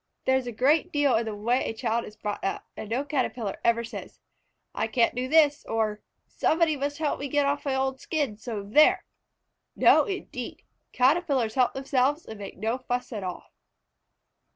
There is a great deal in the way a child is brought up, and no Caterpillar ever says, "I can't do this;" or, "Somebody must help me get off my old skin, so there!" No indeed! Caterpillars help themselves and make no fuss at all.